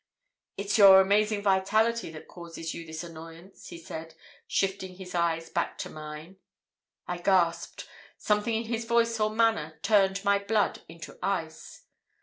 "'It's your amazing vitality that causes you this annoyance,' he said, shifting his eyes back to mine. "I gasped. Something in his voice or manner turned my blood into ice.